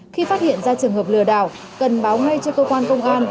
khi phát hiện ra trường hợp lừa đảo cần báo ngay cho cơ quan công an